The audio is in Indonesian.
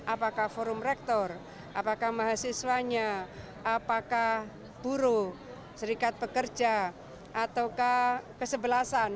apakah forum rektor apakah mahasiswanya apakah buruh serikat pekerja ataukah kesebelasan